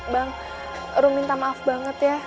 bang ru minta maaf banget ya